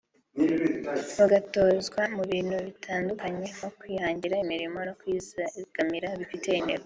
bagatozwa mu bintu bitandukanye nko kwihangira imirimo no kwizigama bifite intego